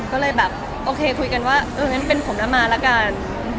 ก็เลยแบบโอเคคุยกันว่าเอองั้นเป็นผมนะมาละกัน